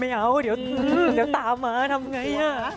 ไม่เอาจะตามมาทำไง